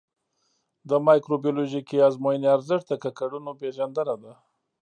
د مایکروبیولوژیکي ازموینې ارزښت د ککړونکو پېژندنه ده.